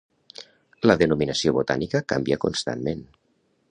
La denominació botànica canvia constantment.